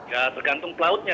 ya tergantung pelautnya